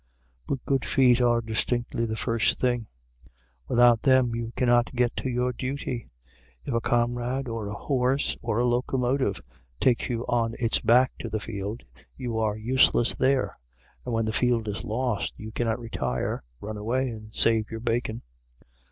But Good Feet are distinctly the first thing. Without them you cannot get to your duty. If a comrade, or a horse, or a locomotive, takes you on its back to the field, you are useless there. And when the field is lost, you cannot retire, run away, and save your bacon.